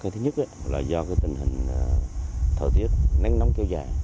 thứ nhất là do tình hình thời tiết nắng nóng kéo dài